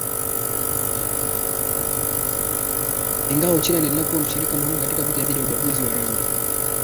Ingawa Uchina iliendelea kuwa mshirika muhimu katika vita dhidi ya ubaguzi wa rangi